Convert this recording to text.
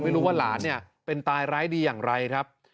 ไม่รู้ว่าหลานเนี่ยเป็นตายร้ายดีอย่างไรครับ